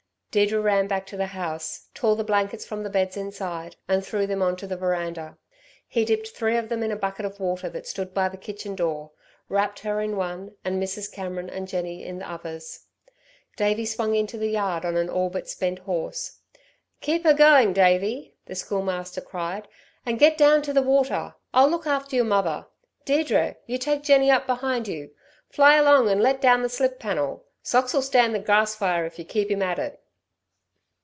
Deirdre ran back to the house, tore the blankets from the beds inside and threw them on to the verandah. He dipped three of them in a bucket of water that stood by the kitchen door, wrapped her in one, and Mrs. Cameron and Jenny in the others. Davey swung into the yard on an all but spent horse. "Keep her going, Davey," the Schoolmaster cried, "and get down to the water. I'll look after your mother. Deirdre, you take Jenny up behind you. Fly along and let down the slip panel. Socks'll stand the grass fire if you keep him at it."